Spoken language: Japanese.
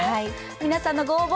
皆さんのご応募